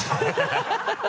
ハハハ